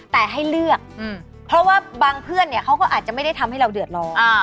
แต่ให้เลือกเพราะว่าบางเพื่อนเนี่ยเขาก็อาจจะไม่ได้ทำให้เราเดือดร้อน